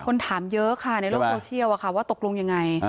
คนถามเยอะค่ะในโลกโซเชียลว่าตกลงยังไง